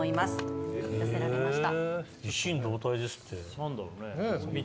何だろうね。